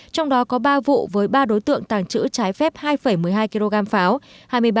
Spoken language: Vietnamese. trong đó có ba vụ với ba đối tượng tàng trữ trái phép hai một mươi hai kg pháo